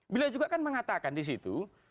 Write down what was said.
beliau juga kan mengatakan di situ